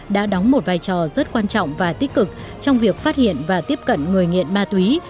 đã đóng một vai trò rất quan trọng và tích cực trong việc phát hiện và tiếp cận người nghiện ma túy